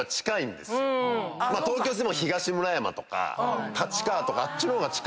東京といっても東村山とか立川とかあっちの方が近いんで。